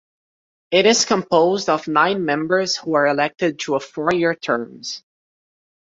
It is composed of nine members who are elected to a four-year terms.